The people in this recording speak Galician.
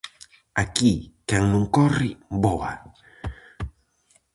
Aquí quen non corre, voa...